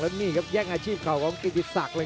แล้วนี่ครับแยกอาชีพเขาของกิติศักดิ์